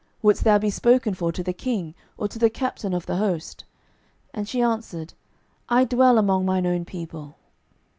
wouldest thou be spoken for to the king, or to the captain of the host? And she answered, I dwell among mine own people.